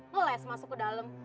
ngeles masuk ke dalem